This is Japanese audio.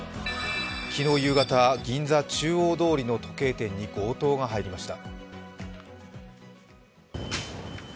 昨日夕方、銀座・中央通りの時計店に強盗が入りました。